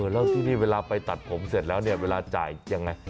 แล้วเวลาไปตัดผมเสร็จแล้วเวลาจ่ายยังไง